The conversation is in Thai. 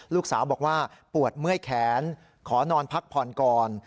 ลูกสาวบอกว่าปวดเมื่อยแขนขอนอนพักผ่อนก่อน